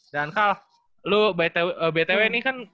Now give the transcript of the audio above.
dan kal lu btw ini kan